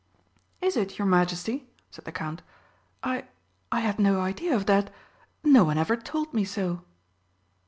"Is it, your Majesty?" said the Count. "I I had no idea of that no one ever told me so!"